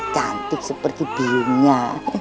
cantik seperti biunya